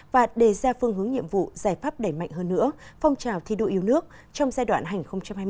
và đề ra phương hướng nhiệm vụ giải pháp đẩy mạnh hơn nữa phong trào thi đua yêu nước trong giai đoạn hai nghìn hai mươi hai nghìn hai mươi năm